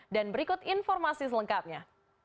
dan berikut informasi selengkapnya